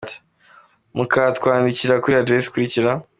org mukatwandikira kuri adresse ikurikira :.